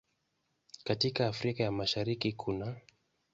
Katika Afrika ya Mashariki kunaː